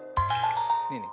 ねえねえ